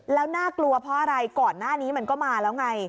แล้วน่ากลัวเพราะอะไรก่อนหน้านี้มันก็มาแล้วไง